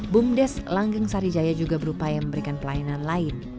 bumdes langgeng sarijaya juga berupaya memberikan pelayanan lain